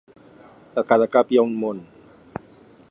A cada cap hi ha un món.